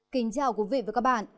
kính chào quý vị và các bạn